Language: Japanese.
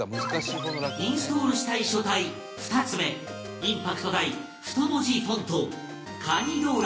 インストールしたい書体２つ目インパクト大太文字フォントかに道楽